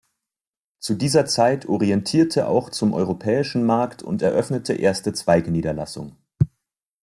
Zu dieser Zeit orientierte auch zum europäischen Markt und eröffnete erste Zweigniederlassung.